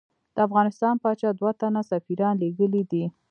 د افغانستان پاچا دوه تنه سفیران لېږلی دي.